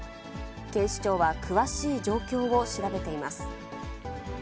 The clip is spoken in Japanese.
警視庁は詳しい状況を調べています。